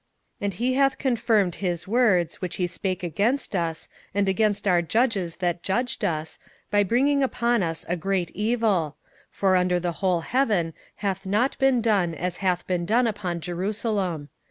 27:009:012 And he hath confirmed his words, which he spake against us, and against our judges that judged us, by bringing upon us a great evil: for under the whole heaven hath not been done as hath been done upon Jerusalem.